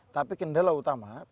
tapi kendala utama